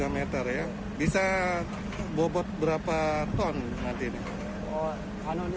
tiga meter ya bisa bobot berapa ton nanti ini